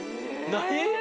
何？